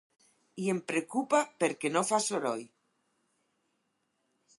I em preocupa perquè no fa soroll.